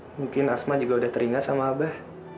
mungkin asma juga udah teringat sama abah